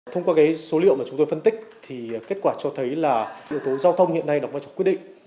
thông qua số liệu mà chúng tôi phân tích thì kết quả cho thấy là yếu tố giao thông hiện nay đọc vào trong quyết định